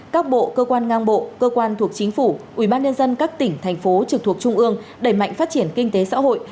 các bộ cơ quan ngang bộ cơ quan thuộc chính phủ ủy ban nhân dân các tỉnh thành phố trực thuộc trung ương đẩy mạnh phát triển kinh tế xã hội